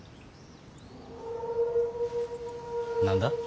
何だ？